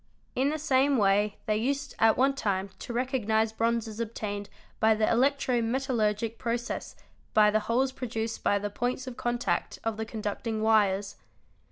In the same way they used at one time to recognise bronzes obtained by the electro metallurgic process by the holes produced by the _ points of contact of the conducting wires.